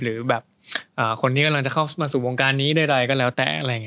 หรือแบบคนที่กำลังจะเข้ามาสู่วงการนี้ใดก็แล้วแต่อะไรอย่างนี้